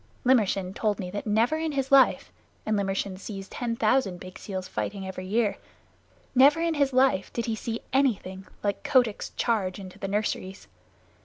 Limmershin told me that never in his life and Limmershin sees ten thousand big seals fighting every year never in all his little life did he see anything like Kotick's charge into the nurseries.